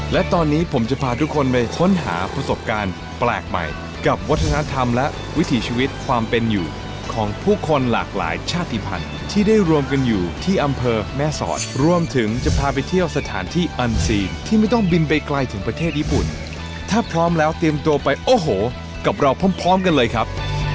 และตอนนี้ผมจะพาทุกคนไปค้นหาประสบการณ์แปลกใหม่กับวัฒนธรรมและวิถีชีวิตความเป็นอยู่ของผู้คนหลากหลายชาติภัณฑ์ที่ได้รวมกันอยู่ที่อำเภอแม่สอดรวมถึงจะพาไปเที่ยวสถานที่อันซีนที่ไม่ต้องบินไปไกลถึงประเทศญี่ปุ่นถ้าพร้อมแล้วเตรียมตัวไปโอ้โหกับเราพร้อมพร้อมกันเลยครับ